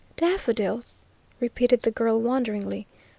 "Daffodils?" repeated the girl wonderingly.